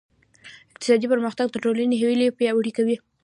اقتصادي پرمختګ د ټولنې هیلې پیاوړې کوي.